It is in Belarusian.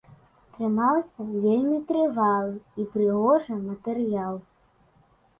Атрымаўся вельмі трывалы і прыгожы матэрыял.